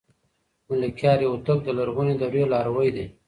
ملکیار هوتک د لرغونې دورې لاروی دی.